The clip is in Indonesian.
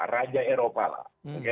raja eropa lah